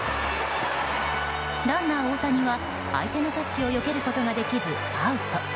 ランナー大谷は、相手のタッチをよけることができず、アウト。